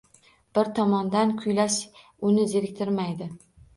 Bir tomondan kuylash uni zeriktirmaydi.